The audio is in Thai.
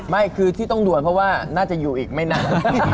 ไม่คือที่ต้องด่วนเพราะว่าน่าจะอยู่อีกไม่นาน